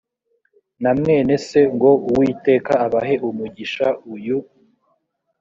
na mwene se ngo uwiteka abahe umugisha uyu